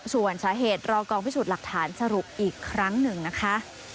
ส่วนสาเหตุรอกองพิสูจน์หลักฐานสรุปอีกครั้งหนึ่งนะคะ